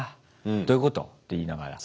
「どういうこと？」って言いながら。